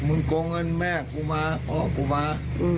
โกงเงินแม่กูมาพ่อกูมา